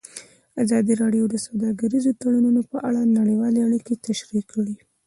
ازادي راډیو د سوداګریز تړونونه په اړه نړیوالې اړیکې تشریح کړي.